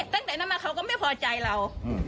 ตั้งแต่นั้นมาเขาก็ไม่พอใจเรา